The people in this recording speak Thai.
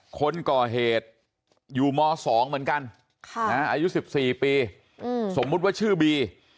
คนก่อเหตุอยู่ม๒เหมือนกันอายุ๑๔ปีสมมุติว่าชื่อบี